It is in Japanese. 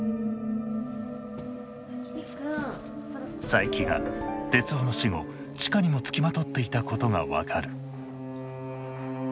佐伯が徹生の死後千佳にもつきまとっていたことが分かる。